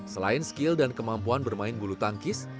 selain skill dan kemampuan bermain bulu tangkis